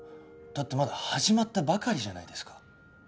だってまだ始まったばかりじゃないですか。